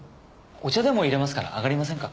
お茶でも淹れますから上がりませんか？